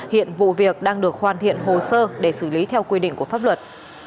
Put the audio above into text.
hiện vụ việc đang được hoàn thiện hồ sơ để xử lý theo quy định của pháp luật